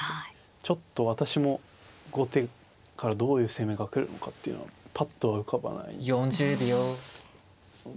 ちょっと私も後手からどういう攻めが来るのかっていうのはパッとは浮かばないので。